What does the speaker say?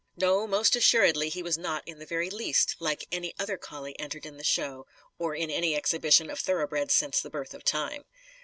No, most assuredly he was not in the very least like any other collie entered in the show or in any exhibition of thoroughbreds since the birth of time.